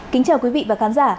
kính chào quý vị và khán giả